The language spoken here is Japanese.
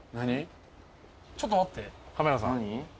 ちょっと待って。